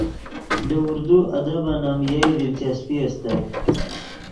لے اردو ادبن ام یئے دلچسپی استت